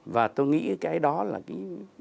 và tôi nghĩ cái đó là cái